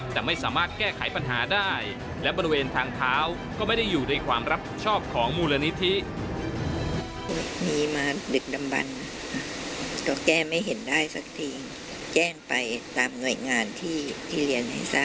แต่ไม่สามารถแก้ไขปัญหาได้และบริเวณทางเท้าก็ไม่ได้อยู่ในความรับผิดชอบของมูลนิธิ